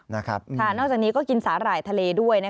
นอกจากนี้ก็กินสาหร่ายทะเลด้วย